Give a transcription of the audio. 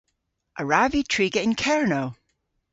A wrav vy triga yn Kernow?